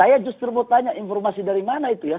saya justru mau tanya informasi dari mana itu ya